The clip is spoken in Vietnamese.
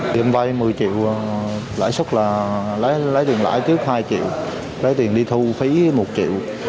tiệm vay một mươi triệu lãi suất là lấy tiền lãi trước hai triệu lấy tiền đi thu phí một triệu